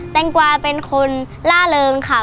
แงกวาเป็นคนล่าเริงค่ะ